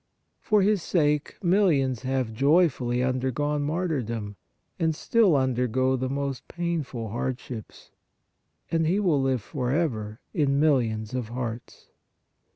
For His sake millions have joyfully undergone martyrdom, and still undergo the most painful hardships. He will live forever in millions of hearts."